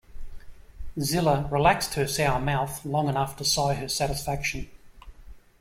Zilla relaxed her sour mouth long enough to sigh her satisfaction.